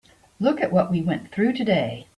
Look at what we went through today.